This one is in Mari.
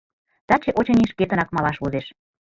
Таче, очыни, шкетынак малаш возеш.